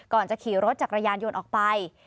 ก่อนจะขี่รถจักรยานยนต์ออกไป